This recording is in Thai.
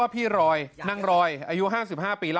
พี่รอยนางรอยอายุ๕๕ปี